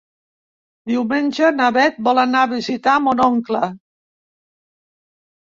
Diumenge na Beth vol anar a visitar mon oncle.